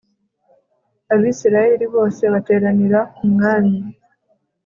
abisirayeli bose bateranira ku mwami